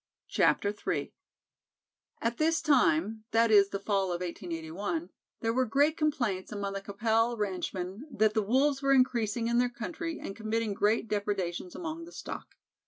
III At this time that is, the fall of 1881 there were great complaints among the Qu'Appelle ranchmen that the Wolves were increasing in their country and committing great depredations among the stock.